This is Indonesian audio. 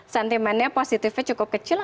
sentimennya positifnya cukup kecil